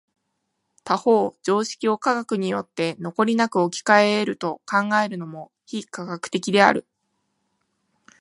他方常識を科学によって残りなく置き換え得ると考えるのも非科学的である。